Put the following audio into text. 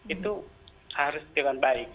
itu harus dengan baik